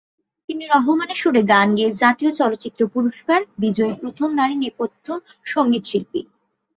তিনি রহমানের সুরে গান গেয়ে জাতীয় চলচ্চিত্র পুরস্কার বিজয়ী প্রথম নারী নেপথ্য সঙ্গীতশিল্পী।